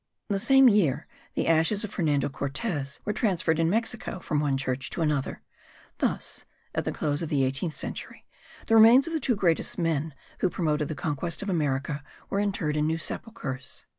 The same year the ashes of Fernando Cortez were transferred in Mexico from one church to another: thus, at the close of the eighteenth century, the remains of the two greatest men who promoted the conquest of America were interred in new sepulchres.